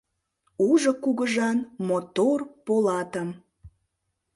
Ужо кугыжан мотор полатым